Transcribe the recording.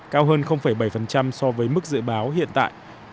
cao hơn bảy so với mức dự báo hiện tại